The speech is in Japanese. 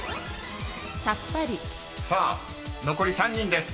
［さあ残り３人です］